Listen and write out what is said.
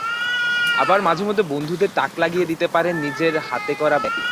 আবার মাঝেমধ্যে বন্ধুদের তাক লাগিয়ে দিতে পারেন নিজের হাতে করা ব্যাগ দিয়ে।